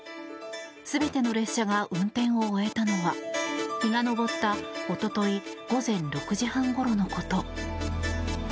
全ての列車が運転を終えたのは日が昇った一昨日、午前６時半ごろのこと。